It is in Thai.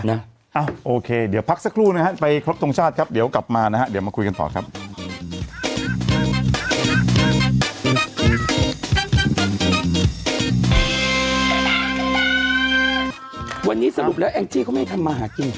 วันนี้สรุปแล้วแอ๊งจีเขาไม่ให้กลับมาหากิน